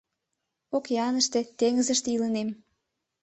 Океаныште-теҥызыште илынем